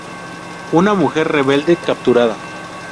Una mujer rebelde capturada.